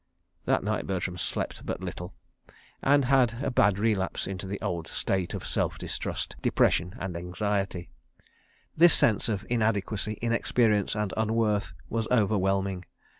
..." That night Bertram again slept but little, and had a bad relapse into the old state of self distrust, depression and anxiety. This sense of inadequacy, inexperience and unworth was overwhelming.